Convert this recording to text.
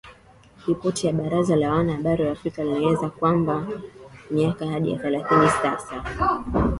Ripoti ya baraza la wanahabari wa Afrika linaeleza kwamba miaka zaidi ya thelathini sasa